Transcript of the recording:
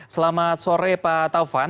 selamat sore pak taufan